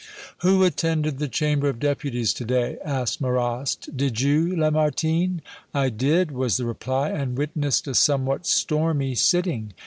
"Who attended the Chamber of Deputies to day?" asked Marrast. "Did you, Lamartine?" "I did," was the reply, "and witnessed a somewhat stormy sitting.